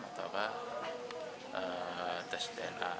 ataukah tes dna